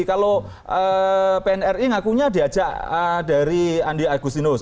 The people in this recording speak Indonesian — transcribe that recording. kalau pnri ngakunya diajak dari andi agustinus